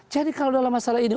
jadi kalau dalam masalah ini